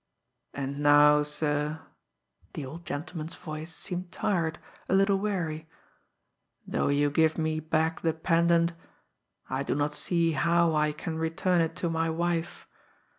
"And now, sir" the old gentleman's voice seemed tired, a little weary "though you give me back the pendant, I do not see how I can return it to my wife.